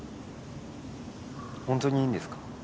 本当にいいんですか？